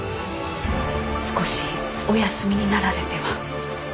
少しお休みになられては。